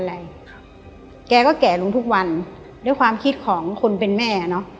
อะไรครับแกก็แก่ลงทุกวันด้วยความคิดของคนเป็นแม่เนอะ